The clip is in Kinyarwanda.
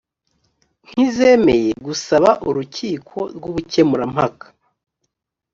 nk izemeye gusaba urukiko rw ubukemurampaka